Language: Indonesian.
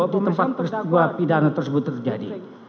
waktu tempat peristiwa pidana tersebut terjadi